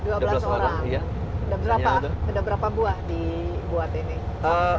ada berapa buah dibuat ini